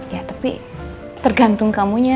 ya tapi tergantung kamunya